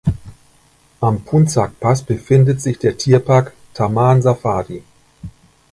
Am Puncak-Pass befindet sich der Tierpark „Taman Safari“.